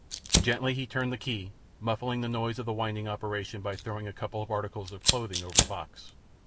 Gently he turned the key, muffling the noise of the winding operation by throwing a couple of articles of clothing over the box.